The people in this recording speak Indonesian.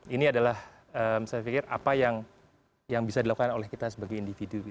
ini adalah saya pikir apa yang bisa dilakukan oleh kita sebagai individu